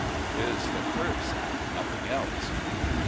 'Tis the curse and nothing else."